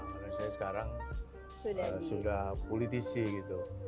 karena saya sekarang sudah politisi gitu